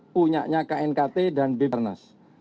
punya knkt dan bpns